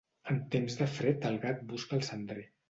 En temps de fred el gat busca el cendrer.